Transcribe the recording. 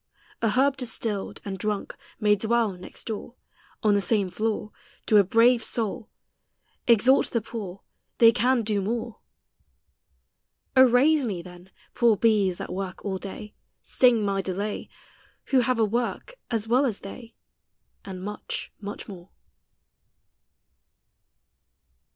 A herb destilled, and drunk, may dwell next doore, On the same floore, To a brave soul: Exalt the poore, They can do more. O, raise me then! poore bees, that work all day, Sting my delay, Who have a work, as well as they, And much, much more.